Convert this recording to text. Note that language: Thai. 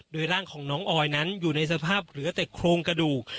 โดยร่างของน้องออยนั้นอยู่ในสภาพเหลือแต่โครงกระดูก